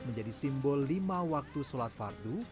menjadi simbol lima waktu sholat fardu